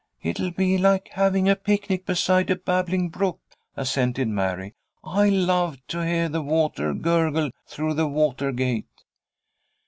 "It'll be like having a picnic beside a babbling brook," assented Mary. "I love to hear the water gurgle through the water gate."